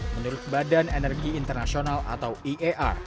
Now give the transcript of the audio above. menurut badan energi internasional atau iar